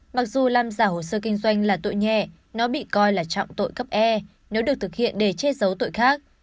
mặc dù làm giả hồ sơ kinh doanh là tội nhẹ nó bị coi là trọng tội cấp e nếu được thực hiện để che giấu tội khác